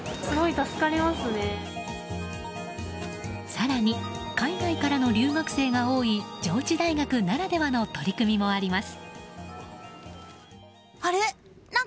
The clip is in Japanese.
更に、海外からの留学生が多い上智大学ならではの取り組みもあります。